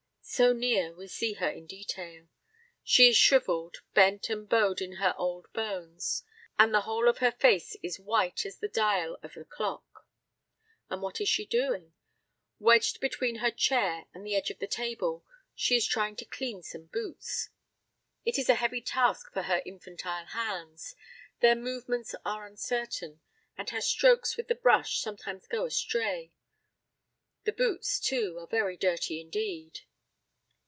So near, we see her in detail. She is shriveled, bent and bowed in her old bones, and the whole of her face is white as the dial of a clock. And what is she doing? Wedged between her chair and the edge of the table she is trying to clean some boots. It is a heavy task for her infantile hands; their movements are uncertain, and her strokes with the brush sometimes go astray. The boots, too, are very dirty indeed.